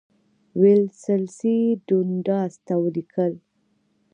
ویلسلي ډونډاس ته ولیکل.